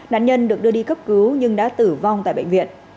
nạn nhân được đưa đi cấp cứu nhưng đã tử vong tại bệnh viện